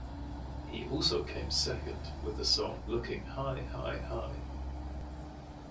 He also came second, with the song "Looking High, High, High".